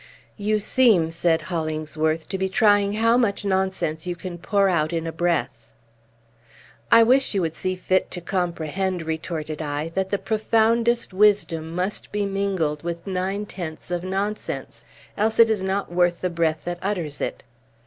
"You seem," said Hollingsworth, "to be trying how much nonsense you can pour out in a breath." "I wish you would see fit to comprehend," retorted I, "that the profoundest wisdom must be mingled with nine tenths of nonsense, else it is not worth the breath that utters it.